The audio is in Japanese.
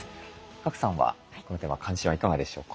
賀来さんはこのテーマ関心はいかがでしょうか？